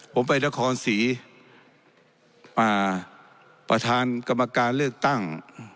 ผมไปนครศรีประธานกรรมการเลือกตั้ง